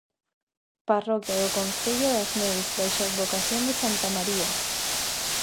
Parroquia do concello das Neves baixo a advocación de santa María.